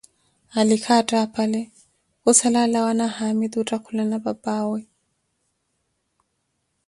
alikha attaaphale khusala alawa na haamitu otthakhulana papaawe